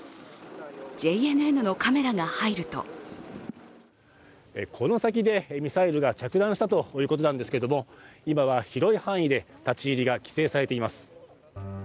ＪＮＮのカメラが入るとこの先でミサイルが着弾したということなんですけれども、今は広い範囲で立ち入りが規制されています。